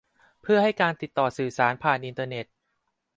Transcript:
เพื่อให้การติดต่อสื่อสารผ่านอินเทอร์เน็ต